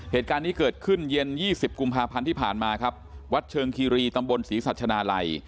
เหตุการณ์นี้เกิดขึ้นเย็นยี่สิบกุมภาพันธ์ที่ผ่านมาครับวัดเชิงคีรีตำบลศรีสัชนาลัย